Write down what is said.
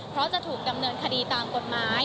เพราะจะถูกดำเนินคดีตามกฎหมาย